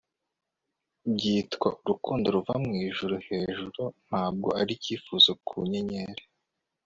byitwa urukundo ruva mwijuru hejuru ntabwo ari icyifuzo ku nyenyeri